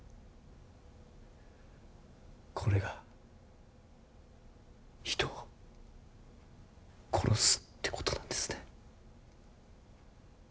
これが人を殺すってことなんですね。